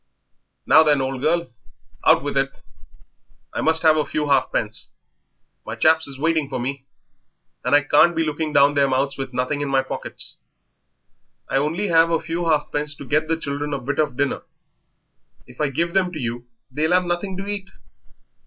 "Now, then, old girl, out with it! I must have a few halfpence; my chaps is waiting for me, and I can't be looking down their mouths with nothing in my pockets." "I only have a few halfpence to get the children a bit of dinner; if I give them to you they'll have nothing to eat."